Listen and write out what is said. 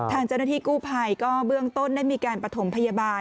ทางเจ้าหน้าที่กู้ภัยก็เบื้องต้นได้มีการประถมพยาบาล